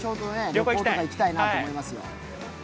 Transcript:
旅行とか行きたいと思いますよ。